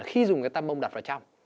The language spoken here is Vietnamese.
khi dùng cái tăm bông đặt vào trong